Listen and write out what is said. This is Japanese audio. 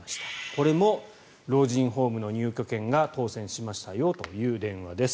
これも老人ホームの入居権が当選しましたよという電話です。